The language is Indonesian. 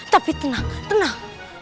tapi tenang tenang